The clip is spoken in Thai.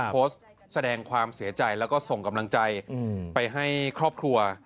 โพสต์แสดงความเสียใจแล้วก็ส่งกำลังใจไปให้ครอบครัว